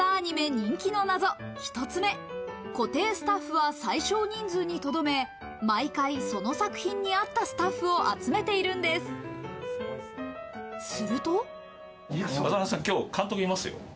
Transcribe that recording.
人気のナゾ１つ目、固定スタッフは最少人数にとどめ、毎回その作品に合ったスタッフを集めているんです。